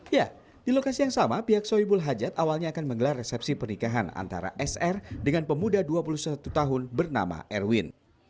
ya di lokasi yang sama pihak soebul hajat awalnya akan menggelar resepsi pernikahan antara sr dengan pemuda dua puluh satu tahun bernama erwin